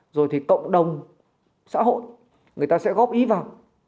rồi thì cộng đồng xã hội người ta sẽ góp ý vào